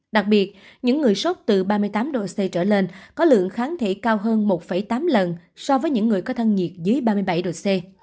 đặc biệt những người sốt từ ba mươi tám độ c trở lên có lượng kháng thể cao hơn một tám lần so với những người có thân nhiệt dưới ba mươi bảy độ c